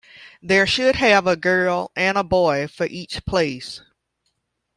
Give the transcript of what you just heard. There should have a girl and a boy for each place.